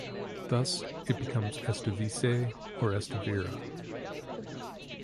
Thus, it becomes "estuviese" or "estuviera".